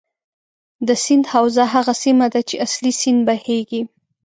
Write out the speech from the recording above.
د سیند حوزه هغه سیمه ده چې اصلي سیند بهیږي.